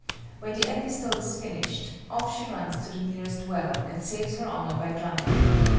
When the epistle is finished, off she runs to the nearest well and saves her honor by drowning.